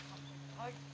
はい。